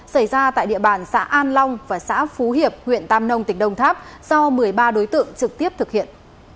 xảy ra tại địa bàn xã an long và xã phú hiệp huyện tam nông tỉnh đồng tháp do một mươi ba đối tượng trực tiếp thực hiện